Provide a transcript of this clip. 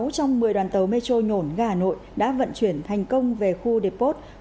sáu trong một mươi đoàn tàu metro nhổn gà hà nội đã vận chuyển thành công về khu deport